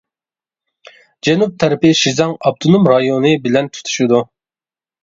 جەنۇب تەرىپى شىزاڭ ئاپتونوم رايونى بىلەن تۇتىشىدۇ.